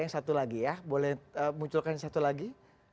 yang satu lagi ya boleh munculkan satu lagi